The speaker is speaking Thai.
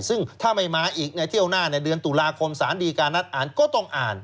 ซึ่งถ้าไม่มาอีกในเที่ยวหน้าเดือนตุลาคมสารดีการนัดอ่านก็ต้องอ่าน